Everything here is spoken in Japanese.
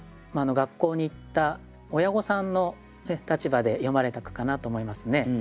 学校に行った親御さんの立場で詠まれた句かなと思いますね。